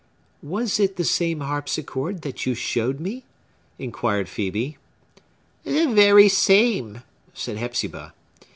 "Was it the same harpsichord that you showed me?" inquired Phœbe. "The very same," said Hepzibah.